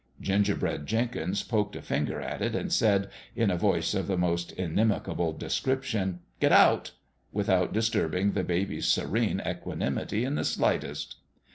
Gingerbread Jenkins poked a finger at it, and said, in a voice of the most inimical description, " Get out !" without disturbing the baby's serene equanimity in the slightest.